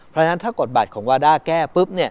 เพราะฉะนั้นถ้ากฎบัตรของวาด้าแก้ปุ๊บ